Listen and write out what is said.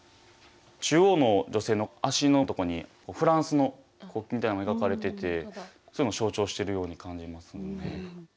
中央の女性の脚のとこにフランスの国旗みたいなのが描かれててそれを象徴しているように感じますね。